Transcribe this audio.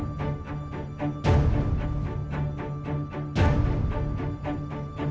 meskipun takkan sanggup ku lewati